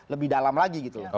lebih dalam lagi gitu